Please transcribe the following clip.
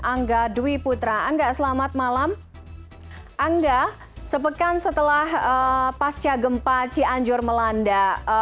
angga dwi putra angga selamat malam angga sepekan setelah pasca gempa cianjur melanda